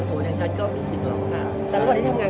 ก่อนที่จะทำงานกระโต่ในกอง